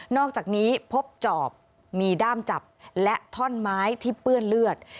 อกจากนี้พบจอบมีด้ามจับและท่อนไม้ที่เปื้อนเลือด